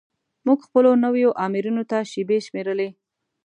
موږ خپلو نویو آمرینو ته شیبې شمیرلې.